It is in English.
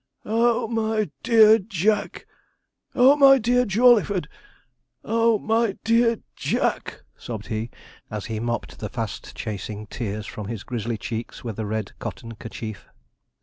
'Oh, my dear Jack! Oh, my dear Jawleyford! Oh, my dear Jack! 'sobbed he, as he mopped the fast chasing tears from his grizzly cheeks with a red cotton kerchief.